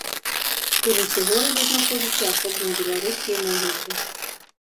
У рысе горада знаходзяцца асобныя беларускія могілкі.